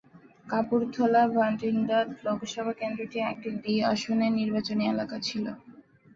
কাপুর্থলা-ভাটিন্ডা লোকসভা কেন্দ্রটি একটি দ্বি-আসনের নির্বাচনী এলাকা ছিল।